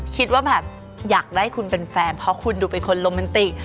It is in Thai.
คิดว่าแบบอยากได้คุณเป็นแฟนเพราะคุณดูเป็นคนโรแมนติก